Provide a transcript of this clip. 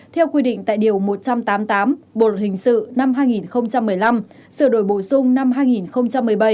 theo quy định tại điều một trăm tám mươi tám bộ luật hình sự năm hai nghìn một mươi năm sửa đổi bổ sung năm hai nghìn một mươi bảy